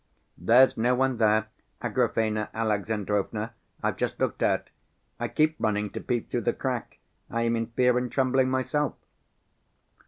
"There's no one there, Agrafena Alexandrovna, I've just looked out, I keep running to peep through the crack, I am in fear and trembling myself."